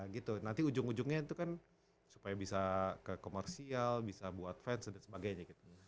gitu nanti ujung ujungnya itu kan supaya bisa ke komersial bisa buat fans dan sebagainya gitu